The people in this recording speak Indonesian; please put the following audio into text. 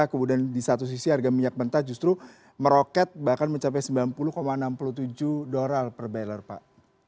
kemudian di satu sisi harga minyak mentah justru meroket bahkan mencapai sembilan puluh enam puluh tujuh dolar per barrel pak